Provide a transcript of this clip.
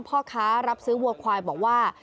พ่อค้ารับซื้อวัวควายบอกว่า